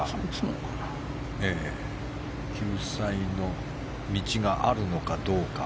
救済の道があるのかどうか。